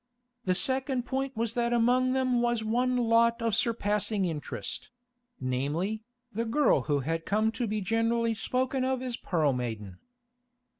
The second point was that among them was one lot of surpassing interest; namely, the girl who had come to be generally spoken of as Pearl Maiden.